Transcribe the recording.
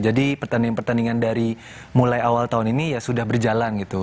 jadi pertandingan pertandingan dari mulai awal tahun ini ya sudah berjalan gitu